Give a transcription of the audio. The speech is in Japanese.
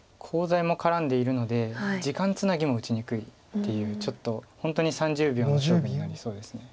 コウ材も絡んでいるので時間つなぎも打ちにくいっていうちょっと本当に３０秒の勝負になりそうです。